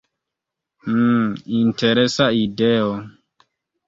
Hm, interesa ideo.